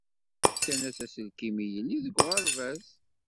Fkan-as aselkim i yelli deg uɣerbaz.